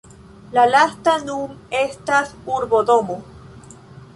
La lasta nun estas urbodomo.